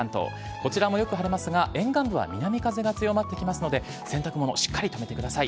こちらもよく晴れますが、沿岸部は南風が強まってきますので、洗濯物、しっかりとめてください。